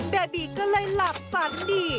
แบบบี้ก็เลยหลับฟันดิ